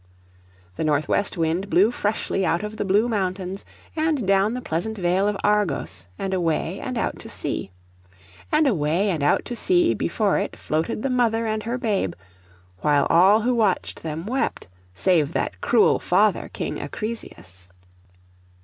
The north west wind blew freshly out of the blue mountains, and down the pleasant vale of Argos, and away and out to sea. And away and out to sea before it floated the mother and her babe, while all who watched them wept, save that cruel father, King Acrisius.